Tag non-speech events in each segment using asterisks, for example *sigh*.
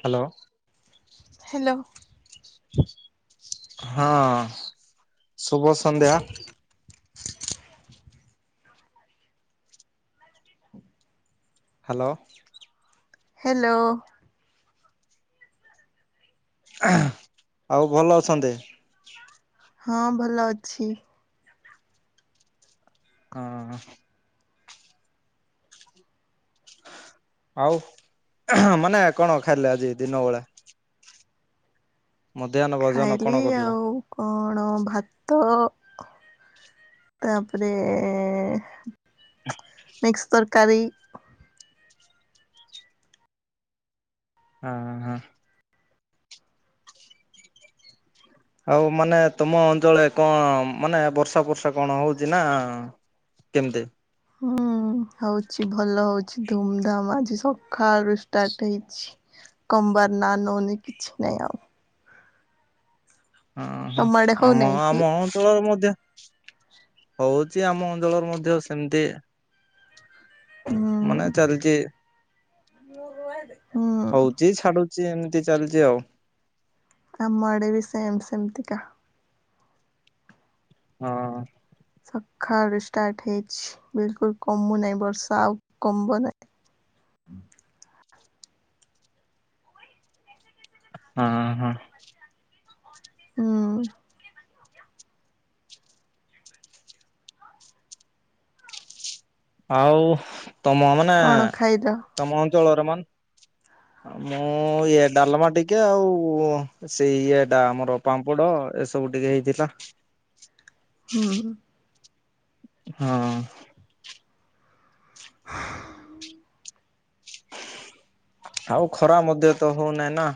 Hello hello ହଁ ଶୁଭ ସନ୍ଧ୍ୟା। ହାଲୋ ହାଲୋ ଆଉ ଭଲ ଅଛନ୍ତି। ହଁ ଭଲ ଅଛି। ହଁ ଆଉ ମାନେ କଣ ଖାଇଲେ ଆଜି ଦିନ ବେଳା? ମଧ୍ୟାହ୍ନ ଭୋଜନ କଣ ଖାଇଲି କରିଲେ? ଆଉ କଣ ଭାତ ତାପରେ ମିକ୍ସ ତରକାରୀ। ହଁ ହଁ। ଆଉ ମାନେ ତମ ଅଞ୍ଚଳରେ କଣ ମାନେ ବର୍ଷା ବର୍ଷା କଣ ହଉଛି ନା? କେମିତି। ହ ହଉଚ ଭଲ ହଉଛି ଧୁମଧାମ ଆଜି ସକାଳୁ ଷ୍ଟାର୍ଟ ହେଇଛି। କମ୍ବାର୍ ନା ନଉନି କିଛି ନହିଁ ଆଉ। ହଁ ହଁ ତମ ଆଡେ ଆମ ହଉନାହିଁ କି? ଆମ ଅଞ୍ଚଳରେ ମଧ୍ୟ। ହଉଛି ଆମ ଅଞ୍ଚଳର ମଧ୍ୟ ସେମିତି ହୁଁ ମାନେ ଚାଲିଛି। ହୁଁ ହଉଛି ଛାଡୁଛି ଏମିତି ଚାଲିଛି ଆଉ। ଆମ ଆଡ଼େ ବି ସେମ୍ ସେମିତିକା। ହଁ। ସକାଳୁ ଷ୍ଟାର୍ଟ୍ ହେଇଛି ବିଲକୁଲ୍ କମୁ ନାହିଁ ବର୍ଷା ଆଉ କମୁ ନାହିଁ। ହଁ ହଁ। ହୁଁ ଆଉ ତମ ମାନେ କଣ ଖାଇଲ? ତମ ଅଞ୍ଚଳରେ ମାନେ ମୁଁ ଇଏ ଡାଲମା ଟିକେ ଆଉ ସେଇ ଇଏଟା ଆମର ପାମ୍ପଡ଼ ଏସବୁ ଟିକେ ହେଇଥିଲା। ହୁଁ ହଁ। ଆଉ ଖରା ମଧ୍ୟ ତ ହଉନାହିଁ ନା।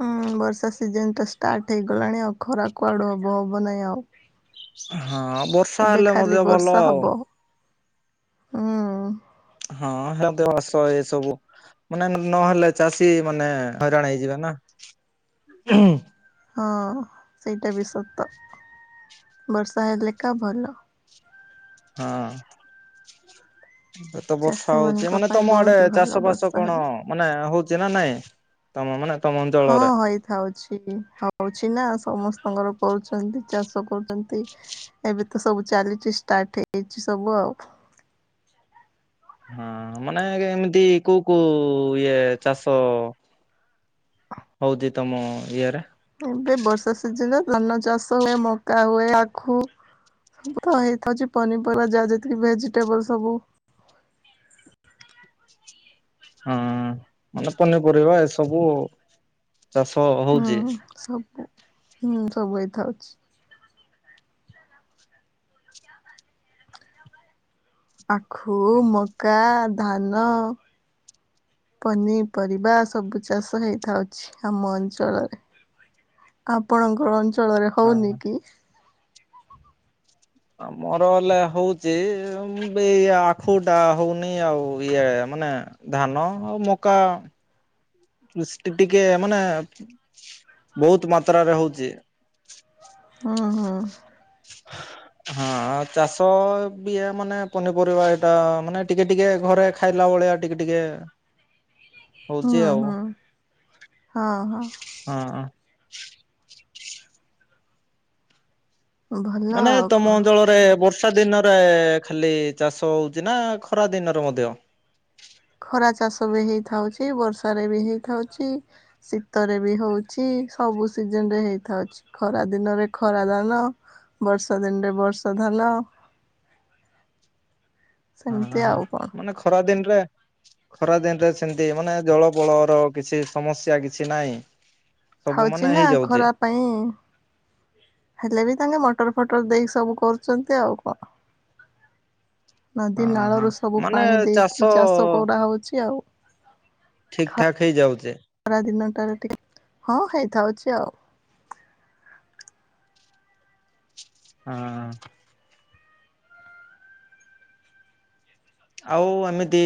ହୁଁ ବର୍ଷା ସିଜନ ଟା ଷ୍ଟାର୍ଟ ହେଇଗଲାଣି ଆଉ ଖରା କୁଆଡୁ ହବ ହବ ନାହିଁ ଆଉ। ହଁ ବର୍ଷା ଏବେ ହେଲେ ଖାଲି ମଧ୍ୟ ଭଲ ବର୍ଷା ଆଉ। ହବ ହୁଁ ହଁ ସେରା ମାସ ଏ ସବୁ ମାନେ ନହେଲେ ଚାଷୀ ମାନେ ହଇରାଣ ହେଇଯିବ ନା ହଁ ସେଇଟା ବି ସତ ବର୍ଷା ହେଲେକା ଭଲ। ହଁ। ଏ ତ ଚାଷୀ ବର୍ଷା ହଉଛି ମାନଙ୍କ ମାନେ ପାଇଁ ତମ ଆଡେ ବହୁତ ଭଲ ଚାଷ ବାସ ବର୍ଷା କଣ ହେଲେ। ମାନେ ହଉଛି ନା ନାଇଁ। ତମ ମାନେ ତମ ହଁ ଅଞ୍ଚଳରେ ହେଇଥାଉଛି ହଉଛି ନା ସମସ୍ତଙ୍କର କରୁଛନ୍ତି ଚାଷ କରୁଛନ୍ତି ଏବେ ତ ସବୁ ଚାଲିଛି ଷ୍ଟାର୍ଟ ହେଇଛି ସବୁ ଆଉ ହଁ ମାନେ ଏମିତି କୋଉ କୋଉ ଇଏ ଚାଷ ହଉଛି ତମ ଇଏରେ ଏବେ ବର୍ଷା ସିଜିନରେ ଧାନ ଚାଷ ହୁଏ ମକା ହୁଏ ଆଖୁ ମୁ ତ ହେଇଥାଉଛି ପନିପରିବା ଯାହା ଯେତିକି ଭେଜିଟେବଲ ସବୁ ହଁ ମାନେ ପନିପରିବା ଏସବୁ ଚାଷ ହଉଛି ହୁଁ ସବୁ ହୁଁ ସବୁ ଏଇ ଥାଉଛି ଆଖୁ ମକା ଧାନ ପନିପରିବା ସବୁ ଚାଷ ହେଇଥାଉଛି ଆମ ଅଞ୍ଚଳରେ ଆପଣଙ୍କ ଅଞ୍ଚଳରେ ହଉନି ହଁ। କି ଆମର ହେଲେ ହଉଛି ଏଇ ଆଖୁଟା ହଉନି ଆଉ ଇଏ ମାନେ ଧାନ ଆଉ ମକା କୃଷି ଟିକେ ମାନେ ବହୁତ ମାତ୍ରାରେ ହଉଛି ହଁ ହଁ ହଁ ଆ ଚାଷ ବି ମାନେ ପନିପରିବା ଏଇଟା ମାନେ ଟିକେ ଟିକେ ଘରେ ଖାଇଲା ଭଳିଆ ଟିକେ ଟିକେ ହଉଛି ହୁଁ ଆଉ ହୁଁ ହଁ ହଁ ହଁ ଭଲ ମାନେ ଆଉ ତମ କଣ। ଜଳରେ ବର୍ଷ ବର୍ଷା ଦିନରେ ଖାଲି ଚାଷ ହଉଛି ନା ଖରା ଦିନରେ ମଧ୍ୟ ଖରା ଚାଷ ବି ହେଇଥାଉଛି ବର୍ଷାରେ ବି ହେଇଥାଉଛି ଶୀତରେ ବି ହଉଛି ସବୁ ସବୁ ସିଜନ ରେ ହେଇଥାଉଛି ଖରା ଦିନରେ ଖରା ଧାନ ବର୍ଷା ଦିନରେ ବର୍ଷା ଧାନ ସେମିତି ହ ହ ଆଉ କଣ। ମାନେ ଖରା ଦିନରେ ଖରା ଦିନରେ ସେମିତି ମାନେ ଜଳ ବଳର କିଛି ସମସ୍ୟା କିଛି ନହିଁ ଥାଉଚ ନା ଖରା ପାଇଁ ହେଲେ ବି ତାଙ୍କେ ମଟର ଫଟର ଦେଇକି ସବୁ କରୁଛନ୍ତି ଆଉ କଣ ନଦୀ ହଁ ହଁ। ନାଳରୁ ସବୁ ମାନେ ପାଣି ଦେଇକି ଚାଷ କରାହଉଛି ଆଉ ଠିକ ଠାକ୍ ହେଇଯାଉଛେ ଖରା ଦିନଟାରେ ଟିକେ ହଁ ହେଇଥାଉଛି ଆଉ ହଁ। ଆଉ ଏମିତି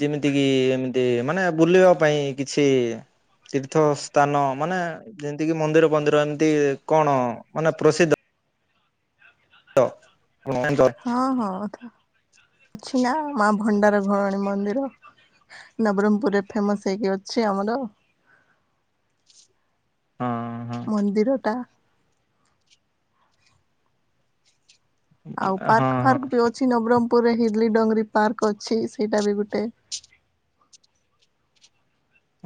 ଯେମିତି କି ଏମିତି ମାନେ ବୁଲିବା ପାଇଁ କିଛି ତୀର୍ଥ ସ୍ଥାନ ମାନେ ଯେମିତି କିି ମନ୍ଦିର ମନ୍ଦିର ଏମିତି କଣ ମାନେ ପ୍ରସିଦ୍ଧ ତ *unintelligible* ହଁ ହଁ ତ ଅଛି ନା ମା ଭଣ୍ଡାର ଘରଣୀ ମନ୍ଦିର। ନବରଙ୍ଗପୁରରେ ଫେମସ ହେଇକି ଅଛି ଆମର। ହଁ। ମନ୍ଦିର ଟା। ଆଉ ହଁ ପାର୍କ ହଁ। ଫାର୍କ ବି ଅଛି ନବରଙ୍ଗପୁରରେ ହିିଲ ଡଙ୍ଗରି ପାର୍କ ଅଛି ସେଇଟା ବି ଗୋଟେ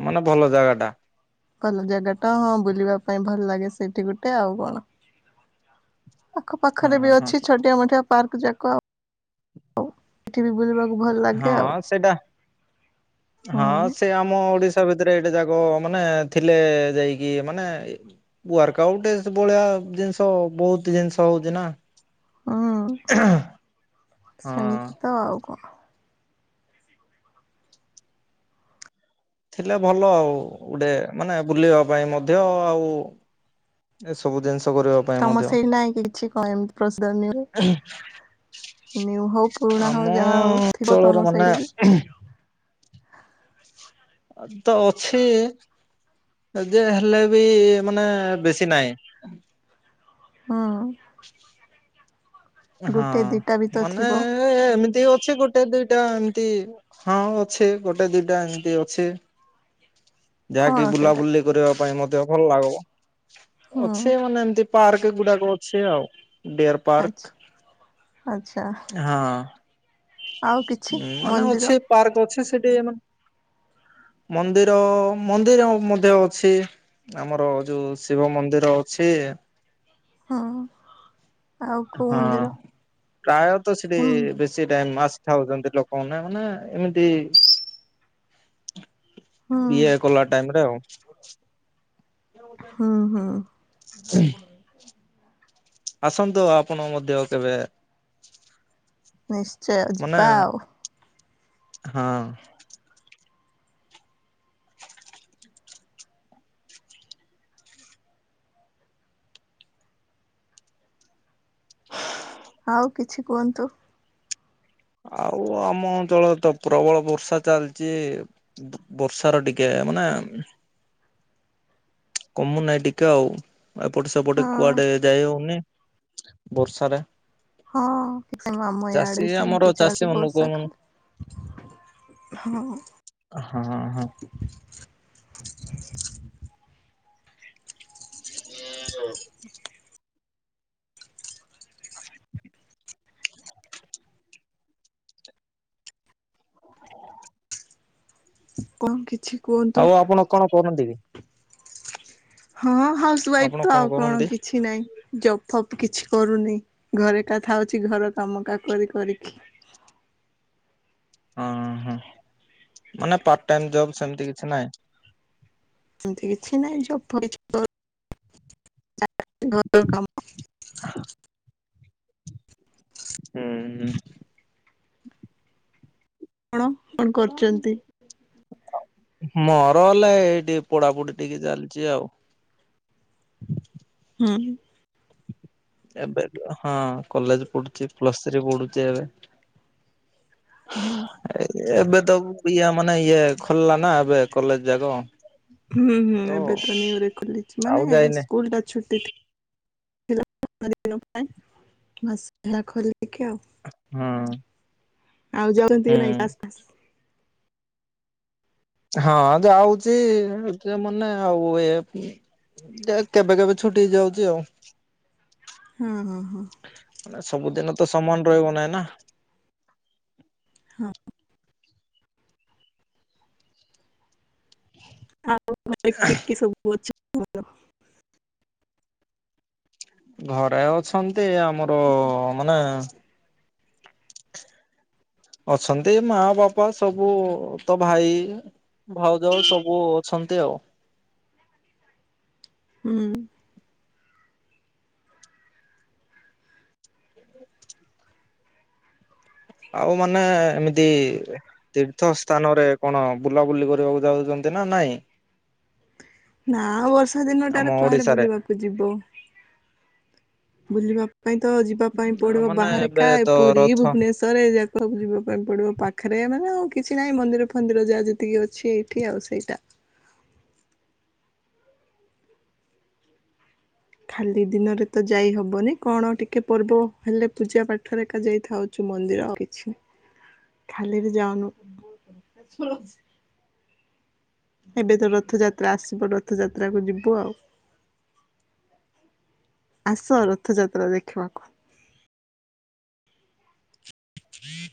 ମାନେ ଭଲ ଜାଗା ଟା। ଭଲ ଜାଗା ଟା ହଁ ବୁଲିବା ପାଇଁ ଭଲ ଲାଗେ ସେଇଠି ଗୋଟେ ଆଉ କଣ ଆଖ ପାଖରେ ହଁ ବି ହଁ। ଅଛି ଛୋଟିଆ ମୋଟିଆ ପାର୍କ ଯାକ ଆଉ ଉ ଏଠି ବି ବୁଲିବା ହଁ ସେଇଟା ହୁଁ ହଁ ସେ ଆମ ଓଡିଶା। ଷ ଭିତରେ ଏଇଟେ ଯାକ ମାନେ ଥିଲେ ଯାଇକି ମାନେ ୱାର୍କ ଆଉଟ ଭଳିଆ ଜିନିଷ ବହୁତ ଜିନିଷ ହଉଛି ନା ହୁଁ ହଁ ସେମିତି ତ ଆଉ କଣ? ଥିଲେ ଭଲ ଆଉ ଗୋଟେ ମାନେ ବୁଲିବା ପାଇଁ ମଧ୍ୟ ଆଉ ଏ ସବୁ ଜିନିଷ କରିବା। ପାଇଁ ତମ ମଧ୍ୟ ସେଇ ନାଇଁ କି କିଛି। *unintelligible* ନିୟୁ ହଉ ପୁରୁଣା ଆମ ହଉ ଯାହା ହଉ ଥିବ ଅଞ୍ଚଳରେ ତମ ସେଇଠି ବି ମାନେ ଉଁହୁଁ। ତ ଅଛି ଯେ ହେଲେ ବି ମାନେ ବେଶୀ ନାହିଁ। ହୁଁ। ଗୋଟେ ଦିଟା ବି ହଁ ତ ମାନେ ଥିବ ଏ ଏମିତି ଅଛି ଗୋଟେ ଦିଟା ଏମତି ହଁ ଅଛି ଗୋଟେ ଦିଟା ଏମିତି ଅଛି। ଯାହାକି କଣ ସେଇଟା ବୁଲାବୁଲି କରିବା ପାଇଁ ମତେ ଭଲ ଲାଗିବ, ହୁଁ ଅଛି ମାନେ ଏମତି ପାର୍କ ଗୁଡାକ ଅଛି ଆଉ ଡିୟର ଆଚ୍ଛା ଆଚ୍ଛା ପାର୍କ ହଁ। ଆଉ କିଛି ମାନେ ମନ୍ଦିର ଅଛି ପାର୍କ ଅଛି, ସେଠି ଆମେ ମନ୍ଦିର ମନ୍ଦିର ମଧ୍ୟ ଅଛି। ଆମର ଯୋଉ ଶିବ ମନ୍ଦିର ଅଛି। ହଁ ଆଉ କୋଉ ହଁ। ମନ୍ଦିର? ପ୍ରାୟତଃ ସେଠି ହୁଁ ବେଶୀ ସେଇ ଟାଇମ୍ ମାସି ଖାଉଛନ୍ତି ଲୋକମାନେ ମାନେ ଏମିତି ହୁଁ ଇଏ କଲା ଟାଇମ ରେ ଆଉ। ହୁଁ ହୁଁ *unintelligible* ଆସନ୍ତୁ ଆପଣ ମଧ୍ୟ କେବେ? ନିଶ୍ଚୟ ମାନେ ଯିବା ଆଉ। ହଁ। *unintelligible* ଆଉ କିଛି କୁହନ୍ତୁ? ଆଉ ଆମ ଅଞ୍ଚଳରେ ତ ପ୍ରବଳ ବର୍ଷା ଚାଲିଛି। ବ ବର୍ଷାର ଟିକେ ମାନେ କମୁନାହିଁ ଟିକେ ଆଉ ଏପଟେ ସେପଟେ ହଁ କୁଆଡେ ଯାଇ ହଉନି ବର୍ଷାରେ। ହଁ ଆମ ଆଡେ ଚାଷୀ ଆମର ସେମିତି ଚାଷୀ ଚାଲିଚି ମାନଙ୍କୁ ବର୍ଷା ହଁ ଖାଲି। ହଁ। ହଁ ହଁ। *unintelligible* *inaudible* କଣ କିଛି କୁହନ୍ତୁ ଆଉ ଆପଣ କଣ କରନ୍ତି କି? ହଁ ହାଉସ ଆପଣ ୱାଇଫ୍ ତ, ଆଉ କଣ କରନ୍ତି? କିଛି ନାହିଁ? ଜପ୍ ଫପ୍ କିଛି କରୁନି ଘରେ କଥା ଅଉଛି ଘର କାମ କା କରି କରିକି। ଉଁ ହୁଁ ମାନେ ପାର୍ଟ ଟାଇମ ଜବ ସେମିତି କିଛି ନହିଁ? ଏମତି କିଛି ନହିଁ ଜବ। *unintelligible* ହ। ହୁଁ ହୁଁ। ଆପଣ କଣ କରୁଛନ୍ତି? ମୋର ହେଲା ଏଇ ଟିକେ ପଡାପଡି ଟିକେ ଚାଲିଛି ଆଉ। ହୁଁ। ଏବେ ହଁ କଲେଜ ପଢୁଛି ପ୍ଲସ୍ ଥ୍ରୀ ପଢୁଛି ଏବେ। ହଁ। ଏ ଏବେ ତ ଇଏ ମାନେ ଇଏ ଖୋଲିଲା ନା ଏବେ କଲେଜ ଯାକ। ହୁଁ ହୁଁ ଏବେ ତ ନିୟୁ ରେ ଖୋଲିଛି ଆଉ ମାନେ ଯାଇନି ସ୍କୁଲ ଟା ଛୁଟି *unintelligible* ହୁଁ। ଆଉ ଜଗ ନାଇଁ ହୁଁ ପାସ ଫାସ। ହଁ ଯାଉଛି *unintelligible* ମାନେ ଆଉ ଏ କେବେ କେବେ ଛୁଟି ହେଇଯାଉଛି ଆଉ। ହୁଁ ହୁଁ ହୁଁ। ଅ ସବୁଦିନ ତ ସମାନ ରହିବ ନାହିଁ ନା। ହଁ। ଆଉ ଘରେ କିଏ କିଏ ସବୁ ଅଛି? ଘରେ ଅଛନ୍ତି ଆମର ମାନେ ଅଛନ୍ତି ମା, ବାପା, ସବୁ ତ ଭାଇ। ଭାଉଜ ସବୁ ଅଛନ୍ତି ଆଉ। ହୁଁ। ଆଉ ମାନେ ଏମିତି ତୀର୍ଥ ସ୍ଥାନରେ କଣ ବୁଲାବୁଲି କରିବାକୁ ଯାଉଛନ୍ତି ନା ନାଇଁ? ନାଁ ଆଉ ବର୍ଷା ଦିନଟା ଆମ ରେ କୁଆଡ଼େ ଓଡିଶାରେ? ବୁଲିବାକୁ ଯିବ। ବୁଲିବା ପାଇଁ ତ ଯିବା ପାଇଁ ପଡି଼ବ ମାନେ ବାହାରେ ଏବେ କା ତ ପୁରୀ, ରଥ ଭୁବନେଶ୍ଵର *unintelligible* ଯାକ ଯିବା ପାଇଁ ପଡ଼ିବ ପାଖରେ ମାନେ ଆଉ କିଛି ନାହିଁ ମନ୍ଦିର ଫନ୍ଦିର ଯାହା ଯେତିକି ଅଛି। *unintelligible* ଆଉ ସେଇଟା। ଖାଲି ଦିନ ରେ ତ ଯାଇ ହବନି କଣ ଟିକେ ପର୍ବ ହେଲେ ପୂଜା ପାଠରେ ଏକା ଯାଇଥାଉ। କି ମନ୍ଦିର ଆଉ କିଛି ହ ଖାଲି ରେ ଯାଉନୁ। ଏବେ ତ ରଥଯାତ୍ରା ଆସିବ ରଥଯାତ୍ରା କୁ ଯିବୁ ଆଉ। ଆସ ରଥଯାତ୍ରା ଦେଖିବାକୁ। ଶିତ